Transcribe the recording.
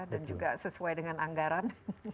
dan juga sesuai dengan anggaran